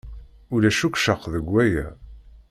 Ulac akk ccek deg waya.